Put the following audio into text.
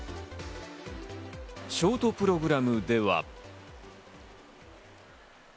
ショートプログラムでは。